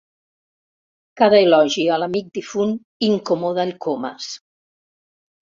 Cada elogi a l'amic difunt incomoda el Comas.